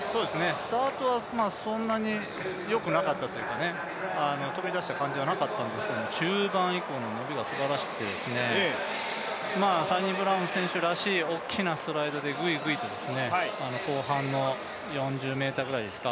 スタートはそんなによくなかったというか飛び出した感じはなかったんですけど中盤以降の伸びがすばらしくて、サニブラウン選手らしい大きなストライドでぐいぐいと後半の４０ｍぐらいですか。